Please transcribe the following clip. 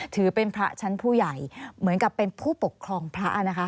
ถือเป็นพระชั้นผู้ใหญ่เหมือนกับเป็นผู้ปกครองพระนะคะ